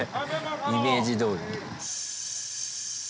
イメージどおり。